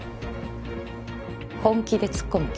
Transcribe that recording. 本気で突っ込む気？